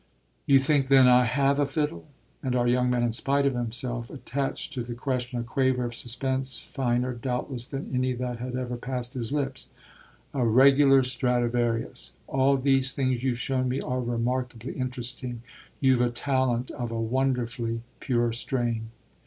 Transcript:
"You think then I have a fiddle?" and our young man, in spite of himself, attached to the question a quaver of suspense finer, doubtless, than any that had ever passed his lips. "A regular Stradivarius! All these things you've shown me are remarkably interesting. You've a talent of a wonderfully pure strain."